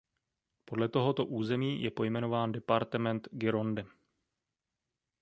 Podle tohoto území je pojmenován departement Gironde.